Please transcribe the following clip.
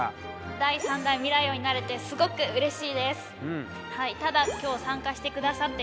第３代未来王になれてすごくうれしいです。